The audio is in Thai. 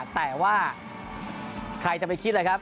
แต่ว่าใครจะไปคิดเลยครับ